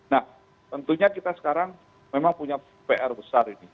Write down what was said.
nah tentunya kita sekarang memang punya pr besar ini